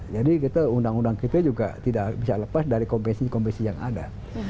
jadi undang undang kita juga tidak bisa lepas dari kompensi kompensi yang ada